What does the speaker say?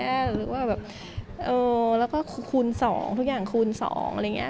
หรือว่าแบบเออแล้วก็คูณ๒ทุกอย่างคูณ๒อะไรอย่างนี้